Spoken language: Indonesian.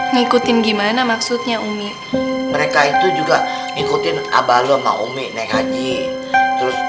ngikutin gimana maksudnya umi mereka itu juga ngikutin abalo sama umi naik haji terus